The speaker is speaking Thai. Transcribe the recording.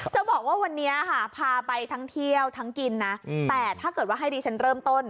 จะบอกว่าวันนี้ค่ะพาไปทั้งเที่ยวทั้งกินนะแต่ถ้าเกิดว่าให้ดิฉันเริ่มต้น